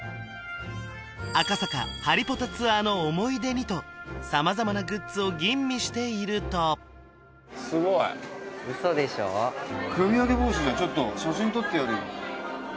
赤坂ハリポタツアーの思い出にと様々なグッズを吟味しているとちょっと写真撮ってやるよ